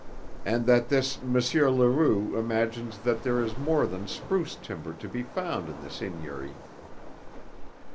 "And that this M. Leroux imagines that there is more than spruce timber to be found on the seigniory.